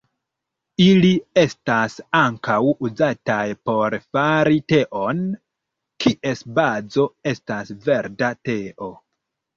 Ili estas ankaŭ uzataj por fari teon, kies bazo estas verda teo.